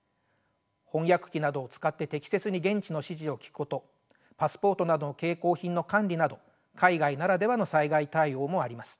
翻訳機などを使って適切に現地の指示を聞くことパスポートなどの携行品の管理など海外ならではの災害対応もあります。